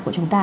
của chúng ta